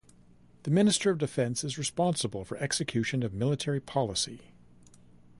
The Minister of Defence is responsible for execution of military policy.